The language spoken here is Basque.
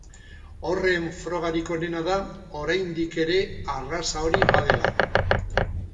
Horren frogarik onena da oraindik ere arraza hori badela.